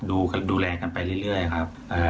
ดูแลกันไปเรื่อยครับ